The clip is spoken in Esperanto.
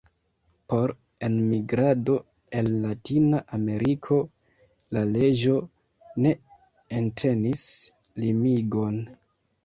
Por enmigrado el Latina Ameriko, la leĝo ne entenis limigon.